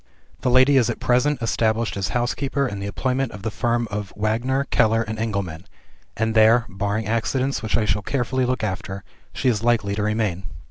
"The lady is at present established as housekeeper in the employment of the firm of Wagner, Keller, and Engelman; and there (barring accidents, which I shall carefully look after) she is likely to remain.